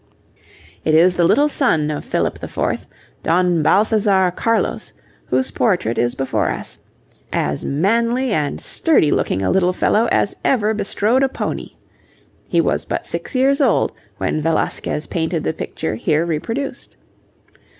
It is the little son of Philip IV., Don Balthazar Carlos, whose portrait is before us as manly and sturdy looking a little fellow as ever bestrode a pony. He was but six years old when Velasquez painted the picture here reproduced.